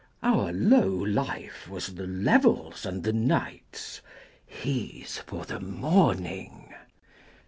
Our low life was the level's and the night's; He's for the morning.